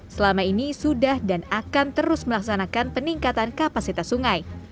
selama ini sudah dan akan terus melaksanakan peningkatan kapasitas sungai